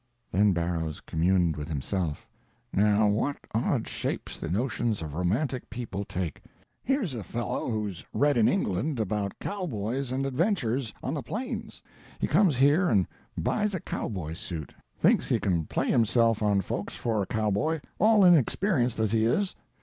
Then Barrow communed with himself. "Now what odd shapes the notions of romantic people take. Here's a young fellow who's read in England about cowboys and adventures on the plains. He comes here and buys a cowboy's suit. Thinks he can play himself on folks for a cowboy, all inexperienced as he is.